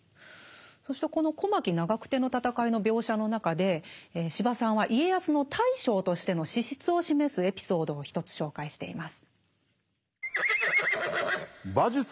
そしてこの小牧・長久手の戦いの描写の中で司馬さんは家康の大将としての資質を示すエピソードを一つ紹介しています。